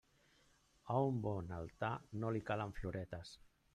A un bon altar no li calen floretes.